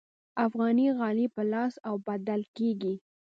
افغاني غالۍ په لاس اوبدل کیږي